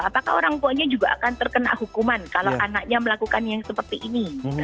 karena orang tua nya juga akan terkena hukuman kalau anaknya melakukan yang seperti ini